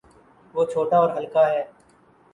وہ چھوٹا اور ہلکا ہے۔